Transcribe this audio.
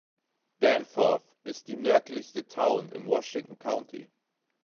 Danforth ist die nördlichste Town im Washington County.